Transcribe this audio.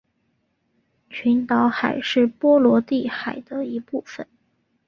群岛海是波罗的海的一部份。